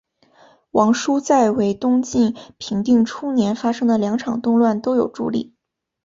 王舒在为东晋平定初年发生的两场动乱都有助力。